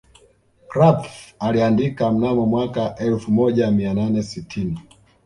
Krapf aliandika mnamo mwaka elfu moja mia nane sitini